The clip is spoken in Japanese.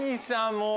もう！